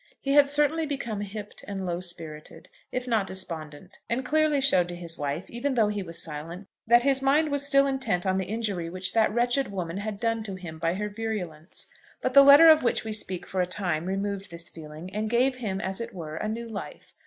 He had certainly become hipped and low spirited, if not despondent, and clearly showed to his wife, even though he was silent, that his mind was still intent on the injury which that wretched woman had done him by her virulence. But the letter of which we speak for a time removed this feeling, and gave him, as it were, a new life.